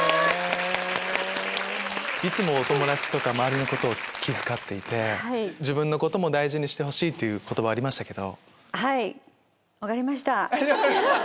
「いつもお友達とか周りのことを気遣っていて自分のことも大事にして」という言葉ありましたけど。